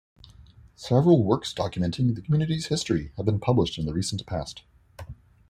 Several works documenting the community's history have been published in the recent past.